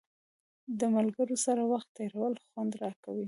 د ملګرو سره وخت تېرول خوند راکوي.